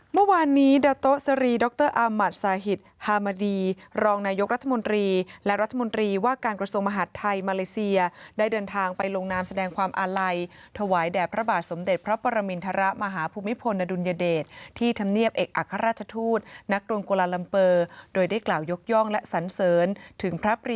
เมื่อวานนี้ดาโต๊ะสรีดรอามัติสาหิตฮามดีรองนายกรัฐมนตรีและรัฐมนตรีว่าการกระทรวงมหาดไทยมาเลเซียได้เดินทางไปลงนามแสดงความอาลัยถวายแด่พระบาทสมเด็จพระปรมินทรมาฮภูมิพลอดุลยเดชที่ธรรมเนียบเอกอัครราชทูตณกรุงกุลาลัมเปอร์โดยได้กล่าวยกย่องและสันเสริญถึงพระปริ